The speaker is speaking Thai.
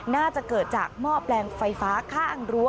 น่าจะเกิดจากหม้อแปลงไฟฟ้าข้างรั้ว